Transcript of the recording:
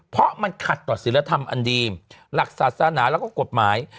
เพราะมันขัดต่อศิลธรรมอันดีหลักศาสนาแล้วก็กฎหมาย